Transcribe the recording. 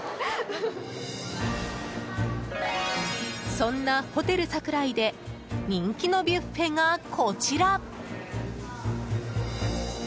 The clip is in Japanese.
そんな、ホテル櫻井で人気のビュッフェがこちら。